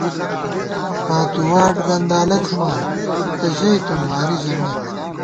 پاتُو واٹ گندالہ تھِمان، مُوئی نہ ژَئیتُم واری ژَمېت